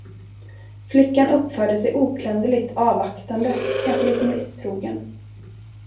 Flickan uppförde sig oklanderligt, avvaktande, kanske litet misstrogen.